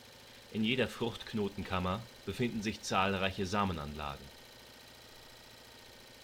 In jeder Fruchtknotenkammer befinden sich zahlreiche Samenanlagen.